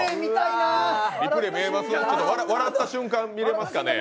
笑った瞬間見れますかね。